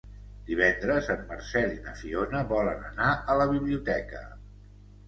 Divendres en Marcel i na Fiona volen anar a la biblioteca.